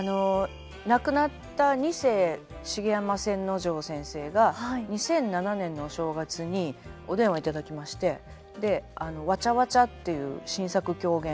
亡くなった二世茂山千之丞先生が２００７年のお正月にお電話頂きまして「わちゃわちゃ」っていう新作狂言を書いてくださいと。